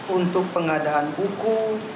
untuk pengadaan buku